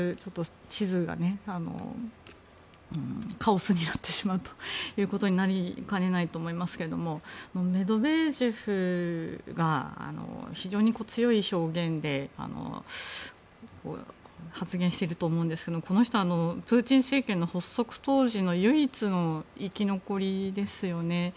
地図がカオスになってしまうということになりかねないと思いますがメドベージェフが非常に強い表現で発言していると思うんですがこの人はプーチン政権の発足当時の唯一の生き残りですよね。